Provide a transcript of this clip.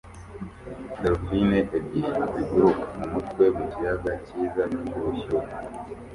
Dolphine ebyiri ziguruka mumutwe mukiyaga cyiza cyubushyuhe